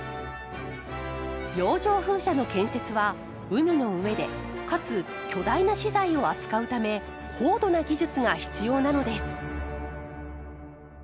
洋上風車の建設は海の上でかつ巨大な資材を扱うため高度な技術が必要なのです。